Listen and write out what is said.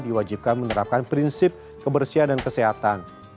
diwajibkan menerapkan prinsip kebersihan dan kesehatan